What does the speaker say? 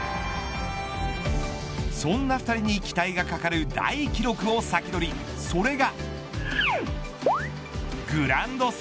そんな２人に期待が懸かる大記録をサキドリ、それが。